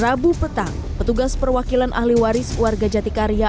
rabu petang petugas perwakilan ahli waris warga jatikarya